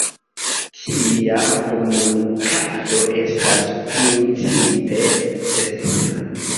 Tia komunikado estas principe sekura.